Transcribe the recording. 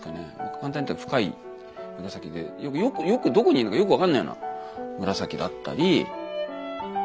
簡単に言ったら深い紫でよくどこにいるのかよく分かんないような紫だったり。